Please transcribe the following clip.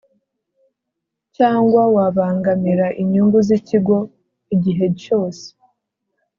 Cyangwa wabangamira inyungu z ikigo igihe cyose